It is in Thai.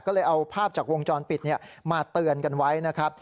ก็เลยเอาภาพจากวงจรปิดมาเตือนกันไว้นะครับ